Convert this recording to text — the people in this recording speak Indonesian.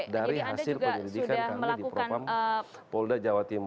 dari hasil penyelidikan kami di propam polda jawa timur